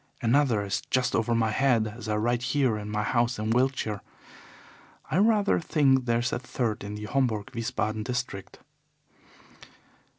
Another is just over my head as I write here in my house in Wiltshire. I rather think there is a third in the Homburg Wiesbaden district.